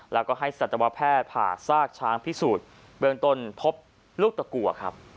แล้วก็ให้สัตวแพทย์ผ่าซากช้างพิสูจน์เบื้องต้นพบลูกตะกัวครับ